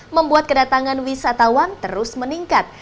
membuat kedatangan wisatawan terus meningkat